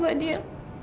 pak haris kak